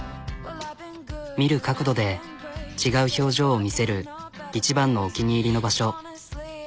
見る角度で違う表情を見せる一番のお気に入りの場所。